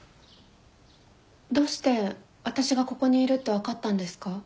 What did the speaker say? どうして私がここにいるって分かったんですか？